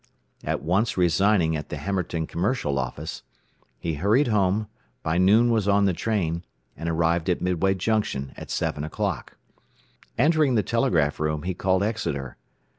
At once resigning at the Hammerton commercial office, he hurried home, by noon was on the train, and arrived at Midway Junction at 7 o'clock. Entering the telegraph room, he called Exeter.